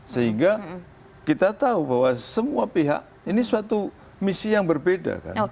sehingga kita tahu bahwa semua pihak ini suatu misi yang berbeda kan